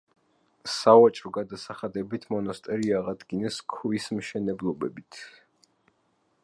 სავაჭრო გადასახადებით მონასტერი აღადგინეს ქვის მშენებლობებით.